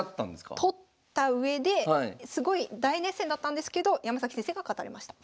取ったうえですごい大熱戦だったんですけど山崎先生が勝たれました。